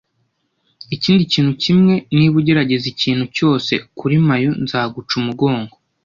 Ikindi kintu kimwe. Niba ugerageza ikintu cyose kuri Mayu nzaguca umugongo